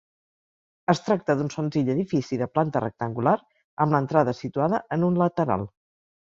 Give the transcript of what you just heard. Es tracta d'un senzill edifici de planta rectangular, amb l'entrada situada en un lateral.